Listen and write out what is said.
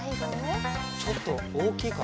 ちょっとおおきいか？